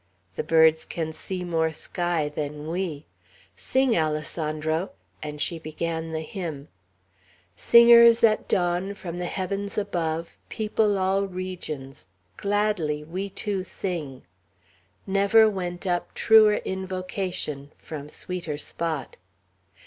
The birds can see more sky than we! Sing, Alessandro," and she began the hymn: "'Singers at dawn From the heavens above People all regions; Gladly we too sing.'" Never went up truer invocation, from sweeter spot.